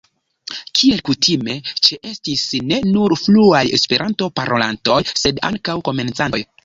Kiel kutime ĉeestis ne nur fluaj Esperanto-parolantoj sed ankaŭ komencantoj.